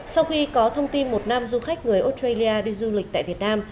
sau khi có thông tin một nam du khách người australia đi du lịch tại việt nam